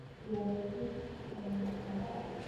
梧塘镇是中国福建省莆田市涵江区下辖的一个镇。